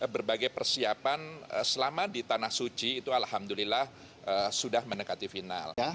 berbagai persiapan selama di tanah suci itu alhamdulillah sudah mendekati final